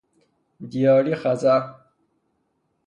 دیاری خزر